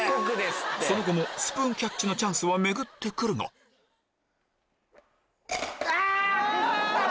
その後もスプーンキャッチのチャンスは巡って来るがあクッソ！